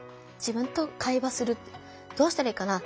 「どうしたらいいかな。